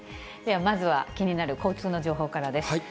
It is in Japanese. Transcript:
では、まずは気になる交通の情報からです。